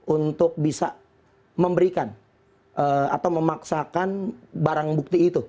untuk bisa memberikan atau memaksakan barang bukti itu